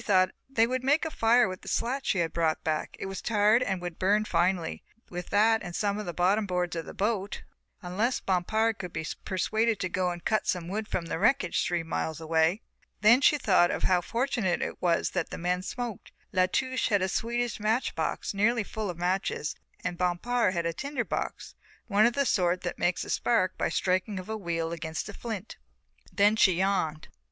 They would make a fire with the slat she had brought back, it was tarred and would burn finely, with that and some of the bottom boards of the boat, unless Bompard could be persuaded to go and cut some wood from the wreckage three miles away. Then she thought how fortunate it was that men smoked. La Touche had a Swedish match box nearly full of matches and Bompard had a tinder box, one of the sort that makes a spark by the striking of a wheel against a flint. Then she yawned.